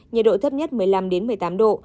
nhiệt độ thấp nhất một mươi năm một mươi tám độ